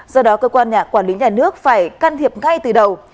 do đó cơ quan nhà quản lý nhà nước phải can thiệp ngay từ đầu